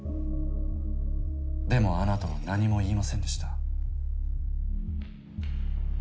でもあなたは何も言いませんでした。